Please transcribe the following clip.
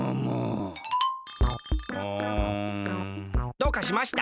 どうかしました？